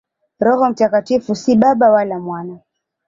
Roho Mtakatifu si Baba wala Mwana.